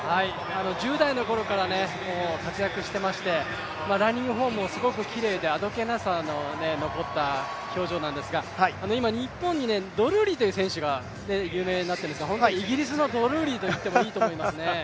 １０代のころから活躍していまして、ランニングフォームもすごくきれいであどけなさの残った表情なんですが、今、日本にドルーリーという選手が有名になっているんですが、アメリカのドルーリーと言ってもいいと思います。